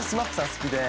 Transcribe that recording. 好きで。